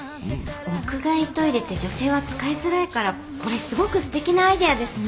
屋外トイレって女性は使いづらいからこれすごくすてきなアイデアですね。